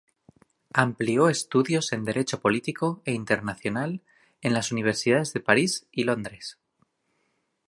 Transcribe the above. Amplió estudios en Derecho Político e Internacional en las Universidades de París y Londres.